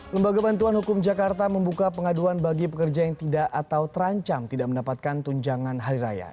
lembaga bantuan hukum jakarta membuka pengaduan bagi pekerja yang tidak atau terancam tidak mendapatkan tunjangan hari raya